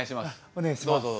お願いします。